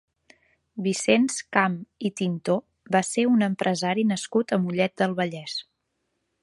Vicenç Camp i Tintó va ser un empresari nascut a Mollet del Vallès.